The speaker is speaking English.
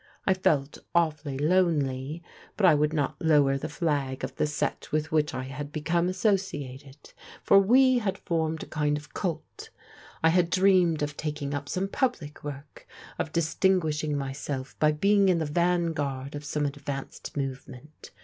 I felt awfully lonely, but I would not lower the flag of the set with which I had become associated, — for we had formed a kind of cult. I had dreamed of taking up some public work, of dis tinguishing myself by being in the vanguard of some advanced movement.